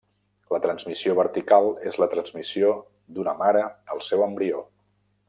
La transmissió vertical és la transmissió d’una mare al seu embrió.